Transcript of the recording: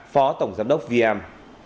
phó tổng giám đốc vm